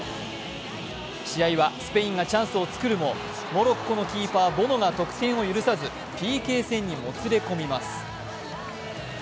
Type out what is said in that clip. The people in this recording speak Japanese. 試合はスペインがチャンスを作るもモロッコのキーパー・ボノが得点を許さずＰＫ戦にもつれ込みます。